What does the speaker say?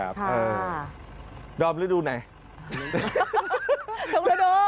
ค่ะค่ะดอมฤดูไหนชมระดอก